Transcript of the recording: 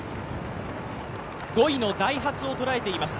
５位のダイハツを捉えています。